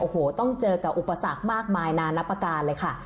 โอ้โหต้องเจอกับอุปสรรคมากมายนานับประการเลยค่ะ